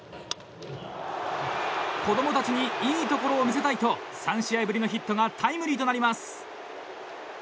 子供たちにいいところを見せたいと３試合ぶりのヒットがタイムリーとなります。